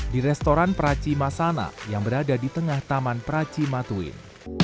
di restoran praci masana yang berada di tengah taman pracima twin